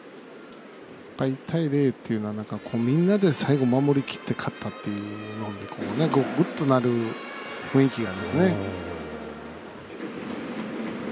１対０っていうのは最後守りきって勝ったっていうのはぐっとなる雰囲気が。